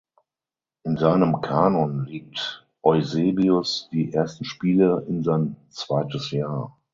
In seinem Kanon legt Eusebius die ersten Spiele in sein zweites Jahr.